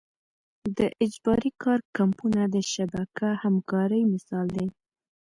د اجباري کار کمپونه د شبکه همکارۍ مثال دی.